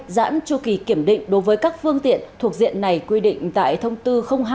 giãn tru kỳ kiểm định đối với các phương tiện thuộc diện này quy định tại thông tư hai